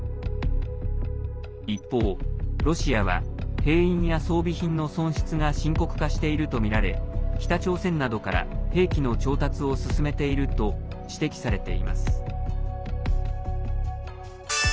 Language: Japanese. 一方、ロシアは兵員や装備品の損失が深刻化しているとみられ北朝鮮などから兵器の調達を進めていると指摘されています。